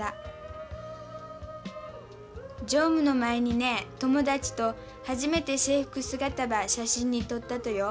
乗務の前にね友達と初めて制服姿ば写真に撮ったとよ。